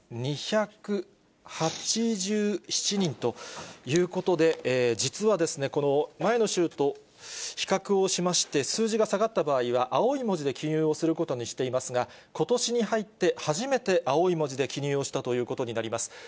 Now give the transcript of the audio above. １万８２８７人ということで、実はこの前の週と比較をしまして、数字が下がった場合は、青い文字で記入をすることにしていますが、ことしに入って初めて青い文字で記入をしたということになります。